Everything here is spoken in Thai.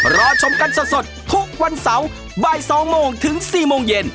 รอชมกันสดทุกวันเสาร์บ่าย๒โมงถึง๔โมงเย็น